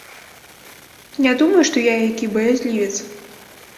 Не думай, што я які баязлівец.